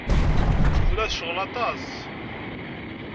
Tella tecɣel aṭas.